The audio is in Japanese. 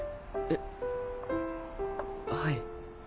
あっはい。